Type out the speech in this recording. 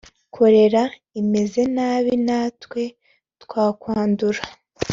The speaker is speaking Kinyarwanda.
"Kolera imeze nabi natwe twakwandura